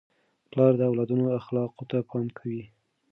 پلار د اولادونو اخلاقو ته پام کوي.